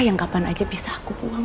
yang kapan aja bisa aku buang